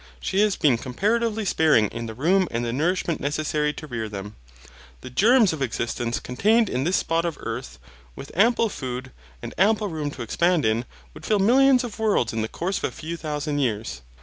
She has been comparatively sparing in the room and the nourishment necessary to rear them. The germs of existence contained in this spot of earth, with ample food, and ample room to expand in, would fill millions of worlds in the course of a few thousand years.